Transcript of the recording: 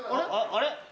あれ？